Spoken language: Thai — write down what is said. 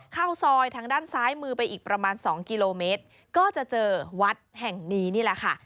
เข้าซอยทางด้านซ้ายมือไปอีกประมาณสองกิโลเมตรก็จะเจอวัดแห่งนี้นี่แหละค่ะ